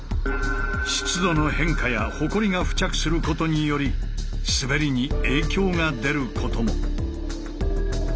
湿度の変化やほこりが付着することにより滑りに影響が出ることも。